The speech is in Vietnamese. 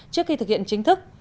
trước khi thực hiện chính thức